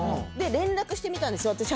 で連絡してみたんですよ。